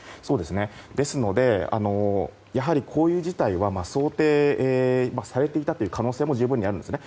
ですので、やはりこういう事態は想定されていたという可能性も十分にあるんですね。